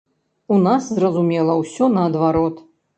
У нас, зразумела, усё наадварот.